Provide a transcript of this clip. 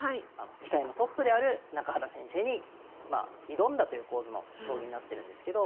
棋界のトップである中原先生に挑んだという構図の将棋になってるんですけど。